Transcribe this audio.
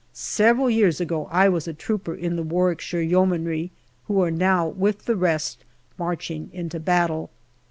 Several years ago I was a trooper in the Warwickshire Yeomanry, who are now with the rest marching into battle.